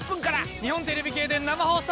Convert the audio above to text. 日本テレビ系で生放送！